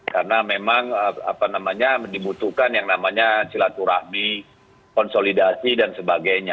karena memang apa namanya dibutuhkan yang namanya silaturahmi konsolidasi dan sebagainya